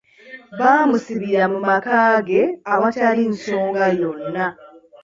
Bamusibira mu maka ge awatali nsoga yona.